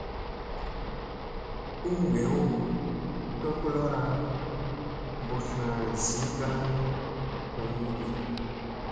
U ngew togolora mbutlna zi ka komiɗi.